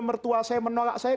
mertua saya menolak saya